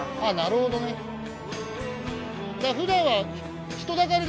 あっなるほどね。